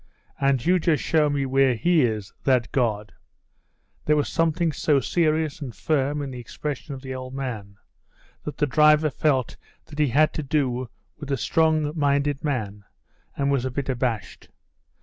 "And you just show me where he is, that god." There was something so serious and firm in the expression of the old man, that the driver felt that he had to do with a strong minded man, and was a bit abashed.